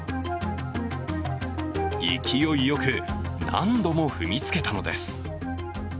勢いよく何度も踏みつけたのです。